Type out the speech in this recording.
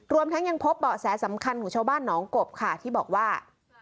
ทั้งยังพบเบาะแสสำคัญของชาวบ้านหนองกบค่ะที่บอกว่า